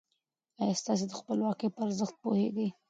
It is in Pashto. ايا تاسې د خپلواکۍ په ارزښت پوهېږئ؟